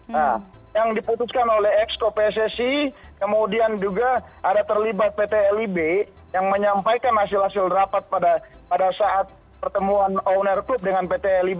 nah yang diputuskan oleh exco pssi kemudian juga ada terlibat pt lib yang menyampaikan hasil hasil rapat pada saat pertemuan owner klub dengan pt lima